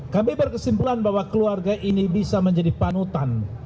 kami berkesimpulan bahwa keluarga ini bisa menjadi panutan